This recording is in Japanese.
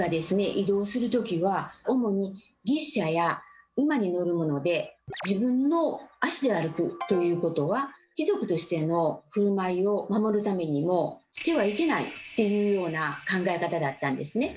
移動する時は自分の足で歩くということは貴族としての振る舞いを守るためにもしてはいけないっていうような考え方だったんですね。